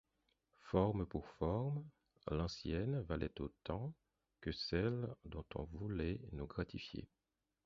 Forme pour forme, l'ancienne valait autant que celle dont on voulait nous gratifier.